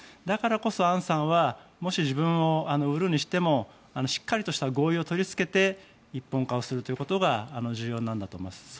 だからこそアンさんはもし自分を売るにしてもしっかりとした合意を取りつけて一本化をするということが重要なんだと思います。